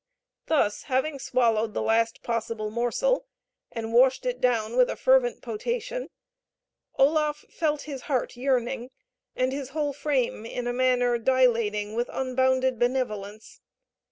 Thus, having swallowed the last possible morsel, and washed it down with a fervent potation, Oloffe felt his heart yearning, and his whole frame in a manner dilating with unbounded benevolence.